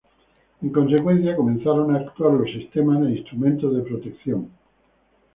En consecuencia, comenzaron a actuar los sistemas e instrumentos de protección.